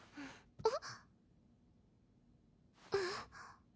あっ！